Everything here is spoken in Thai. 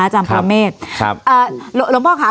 อาจารย์ปรเมฆครับอ่าหลวงพ่อค่ะ